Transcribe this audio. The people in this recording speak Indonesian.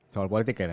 soal politik ya